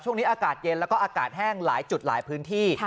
ช่วงนี้อากาศเย็นแล้วก็อากาศแห้งหลายจุดหลายพื้นที่